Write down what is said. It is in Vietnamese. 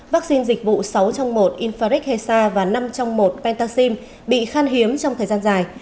vaccine dịch vụ sáu trong một infrak heza và năm trong một pentaxim bị khan hiếm trong thời gian dài